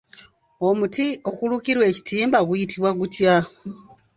Omuti okulukirwa ekitimba guyitibwa gutya?